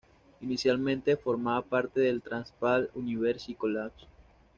Inicialmente formaba parte del Transvaal University College.